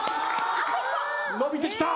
伸びてきた。